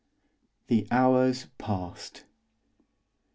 The hours passed.